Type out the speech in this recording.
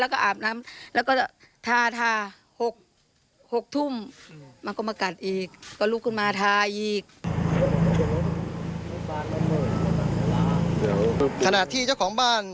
ขณะที่เจ้าของบ้าน